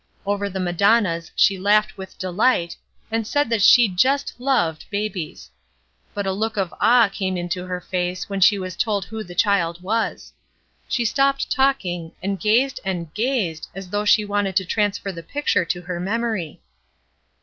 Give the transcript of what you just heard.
Over the Madonnas she laughed with delight, and said that she "jest loved'' babies. But a look of awe came into her face when she was told who the child was. She stopped talking, and gazed and gazed as though she wanted to transfer the picture to her memory.